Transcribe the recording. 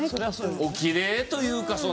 おきれいというかその。